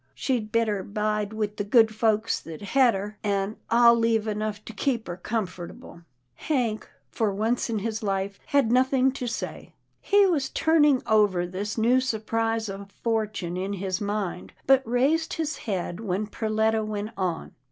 She'd better bide with the good folks that's hed her, an' I'll leave enough to keep her comfortable.' " Hank, for once in his life, had nothing to say. PERLETTA MAKES AN EXPLANATION 301 He was turning over this new surprise of fortune in his mind, but raised his head when Perletta went on.